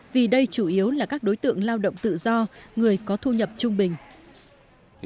vì đây chủ yếu là các đối tượng lao động tự do người có thu nhập trung bình